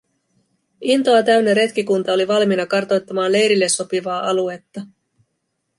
Intoa täynnä retkikunta oli valmiina kartoittamaan leirille sopivaa aluetta.